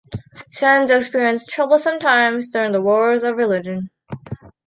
Sens experienced troublesome times during the Wars of Religion.